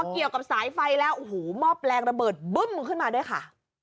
เกี่ยวกับสายไฟแล้วมอบแรงระเบิดบึ้มขึ้นมาด้วยค่ะ